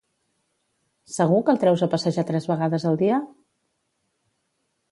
Segur que el treus a passejar tres vegades al dia?